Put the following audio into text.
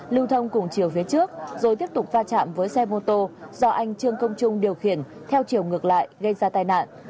lưu thông cùng chiều phía trước rồi tiếp tục va chạm với xe mô tô do anh trương công trung điều khiển theo chiều ngược lại gây ra tai nạn